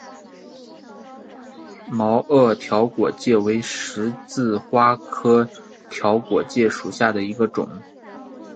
毛萼条果芥为十字花科条果芥属下的一个种。